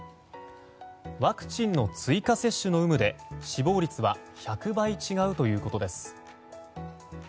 ワクチンの追加接種の有無で死亡率は１００倍違うということです。